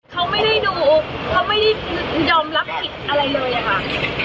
เขาไม่ได้ดูเขาไม่ได้ยอมรับผิดอะไรเลยอะค่ะ